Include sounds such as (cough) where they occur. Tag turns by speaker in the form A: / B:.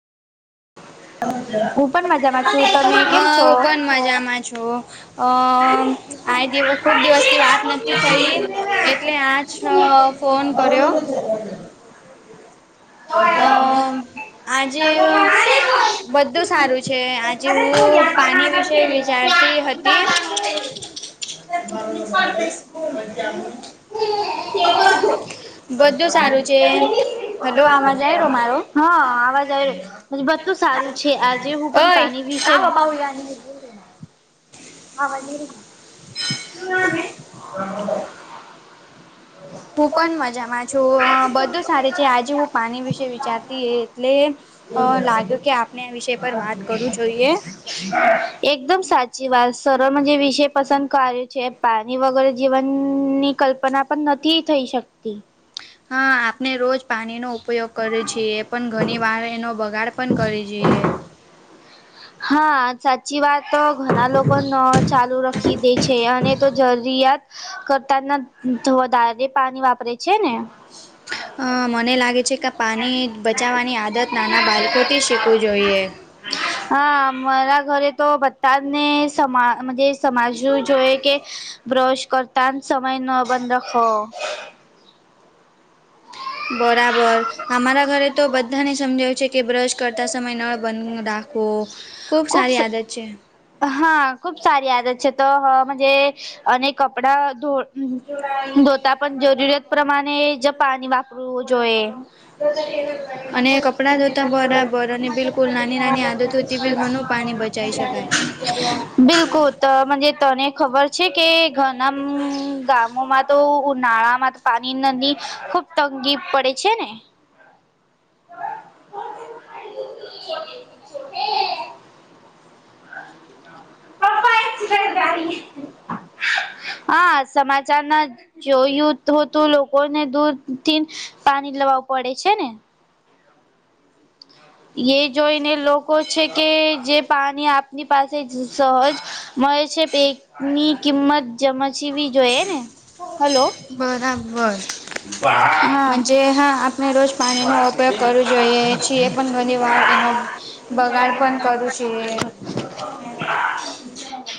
A: હું પણ મજામાં છું તમે કેમ
B: હા
A: છો
B: હું પણ મજામાં છું. અ (unintelligible) ખુબ દિવસ થી વાત નથી થઈ એટલે આ જા ફોન કર્યો.
A: હા
B: આ આજે બધું સારું છે. કે આજે હું પાણી વિશે વિચારતી હતી. (inaudible)
A: (unintelligible)
B: હાલો અવાજ આયો મારો.
A: અવાજ આવી રહ્યો બધું સારું છે આજે હું પણ પાણી
B: ઓય
A: વિશે
B: (unintelligible)
A: (inaudible)
B: હું પણ મજામાં છું આ બધું સાર છે આજે હું પાણી વિશે વિચારતી એટલે અ લાગ્યો કે આપને આ વિષય પર વાત કરું જોઈએ.
A: એકદમ સાચી વાત. (unintelligible) વિષય પસંદ કાર્યો છે પાણી વગર જીવનની કલ્પના પણ નથી થઈ શકતી.
B: હા આપને રોજ પાણીનો ઉપયોગ કરે છે પણ ઘણી વાર એનો બગાડ પણ કરી છેઈએ.
A: હા સાચી વાત ઘણા લોકો નળ ચાલુ રાખી દે છે અને તો જરૂરિયાત કરતા ના વધારે પાણી વાપરે છે ને.
B: આ મને લાગે છે કે આ પાણી બચાવવાની આદત નાના બાળકોથી શીખવું જોઈએ.
A: હા મારા ઘરે તો બધા ને સમા મજે સમજવું જોઈએ કે બ્રશ કરતા સમય નો બંધ રાખો.
B: બરાબર. અમારા ઘરે તો બધા બધાને સમજયુ છે કે બ્રશ કરતા સમય નળ બંધ રાખવો ખુબ સારી આદત છે.
A: હા ખુબ સારી આદત છે તો હ મજે અને કપડા ધો ધોતા પણ જરૂરિયાત પ્રમાણે જ પાણી વાપરવું જોઈએ. (inaudible)
B: અને કપડાં ધોતા બરાબર અને બિલકુલ જઈ શકાય.
A: બિલકુલ તો મજે તને ખબર છે કે ઘણા મ ગામોમાં તો ઉનાળામાં તો પાણી નની ખુબ તંગી પડે છે ને.
B: (inaudible)
A: (inaudible)
B: (inaudible)
A: હા સમાચાર ના જોયું તો તું લોકોને દૂધ થી પાણી લવાવું પડે છે ને. યે જોઈને લોકો છે કે જે પાણી આપની પાસે સહજ મળે છે. પેકની કિંમત જમાચવી જોઈએ ને હલો
B: બરાબર.
A: હા
B: મજે હા આપણે રોજ પાણીનો ઉપયોગ કરવો જોઈએ છે પણ ઘણી વાર એમાં બગાડ પણ કરું છે.
A: (inaudible)